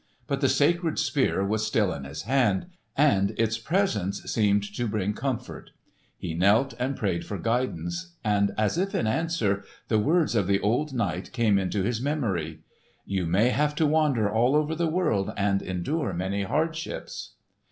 But the sacred Spear was still in his hand, and its presence seemed to bring comfort. He knelt and prayed for guidance, and as if in answer, the words of the old knight came into his memory, "You may have to wander all over the world and endure many hardships."